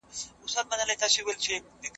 چي د بنګړو و موسیقۍ ته یې ډوډۍ پخول